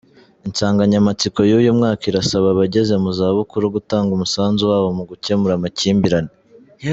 Insanganyamatsiko y’uyu mwaka irasaba abageze mu zabukuru gutanga umusanzu wabo mu gukemura amakimbirane.